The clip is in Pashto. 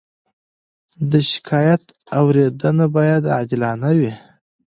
د شکایت اورېدنه باید عادلانه وي.